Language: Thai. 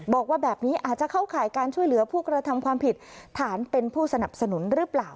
บอกว่าแบบนี้อาจจะเข้าข่ายการช่วยเหลือผู้กระทำความผิดฐานเป็นผู้สนับสนุนหรือเปล่า